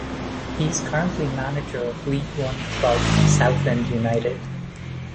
He is currently manager of League One club Southend United.